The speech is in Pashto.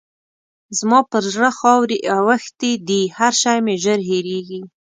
زما پر زړه خاورې اوښتې دي؛ هر شی مې ژر هېرېږي.